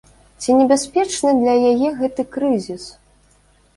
Ці небяспечны для яе гэты крызіс?